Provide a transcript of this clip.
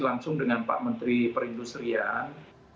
langsung dengan pak menteri perindustrian